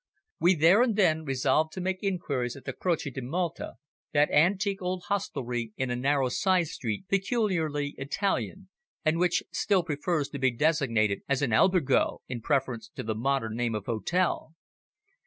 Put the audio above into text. We there and then resolved to make inquiries at the Croce di Malto, that antique old hostelry in a narrow side street peculiarly Italian, and which still prefers to be designated as an albergo, in preference to the modern name of hotel.